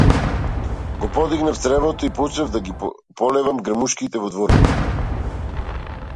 Го подигнав цревото и почнав да ги полевам грмушките во дворот.